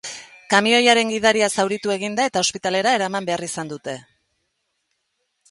Kamioiaren gidaria zauritu egin da eta ospitalera eraman behar izan dute.